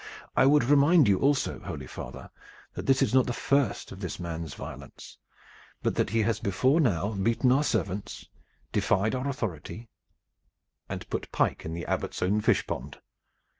I would remind you also, holy father, that this is not the first of this man's violence, but that he has before now beaten our servants, defied our authority, and put pike in the Abbot's own fish pond."